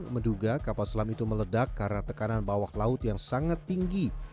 menduga kapal selam itu meledak karena tekanan bawah laut yang sangat tinggi